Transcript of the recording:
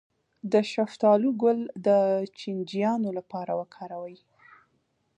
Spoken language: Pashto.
د شفتالو ګل د چینجیانو لپاره وکاروئ